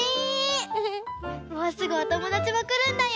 もうすぐおともだちもくるんだよ。